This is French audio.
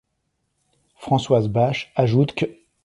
Françoise Basch ajoute qu'.